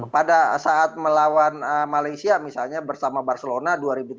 pada saat melawan malaysia misalnya bersama barcelona dua ribu tiga belas